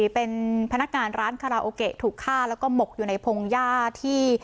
เป็นพนักงานร้านคาราโอเกะถูกฆ่าแล้วก็หมกอยู่ในพงหญ้าที่